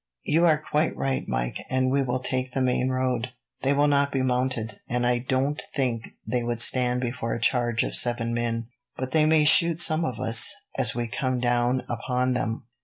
"You are quite right, Mike, and we will take the main road. They will not be mounted, and I don't think they would stand before a charge of seven men; but they may shoot some of us as we come down upon them.